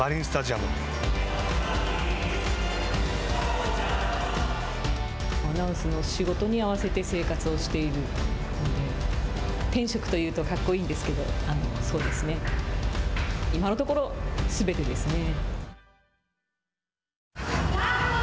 アナウンスの仕事に合わせて生活をしているので天職というとかっこいいんですけどそうですね、今のところすべてですね。